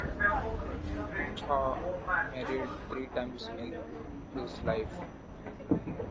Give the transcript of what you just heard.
Cha married three times in his life.